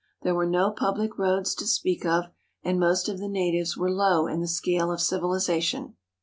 There were no public roads to speak of, and most of the natives were low in the scale of civilization.